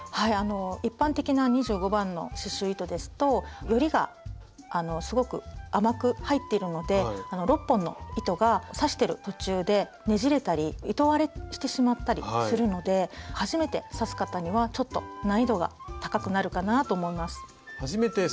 一般的な２５番の刺しゅう糸ですとよりがすごく甘く入っているので６本の糸が刺してる途中でねじれたり糸割れしてしまったりするので初めて刺す方にはちょっと難易度が高くなるかなぁと思います。